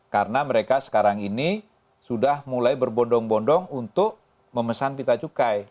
karena mereka sekarang ini sudah mulai berbondong bondong untuk memesan pita cukai